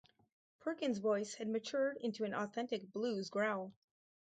Perkins' voice had matured into an authentic blues growl.